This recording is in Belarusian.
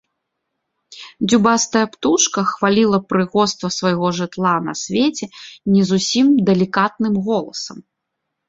Дзюбастая птушка хваліла прыгоства свайго жытла на свеце не зусім далікатным голасам.